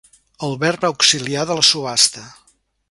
El verb auxiliar de la subhasta.